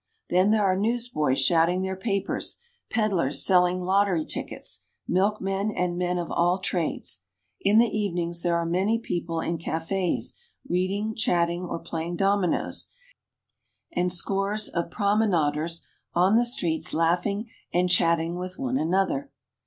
Then there are newsboys shouting their papers, peddlers selling lottery tickets, milkmen, and men of all trades. In the evenings there are many people in cafes reading, chatting, or play ing dominoes, and scores of promenaders on the streets laughing and chatting with one another.